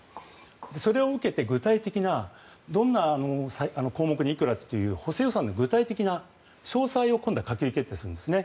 それを受けて具体的などんな項目にいくらという補正予算の具体的な詳細を今度は閣議決定するんです。